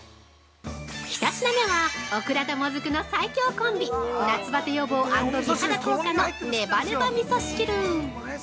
１品目は、オクラとモズクの最強コンビ夏バテ予防＆美肌効果のネバネバみそ汁。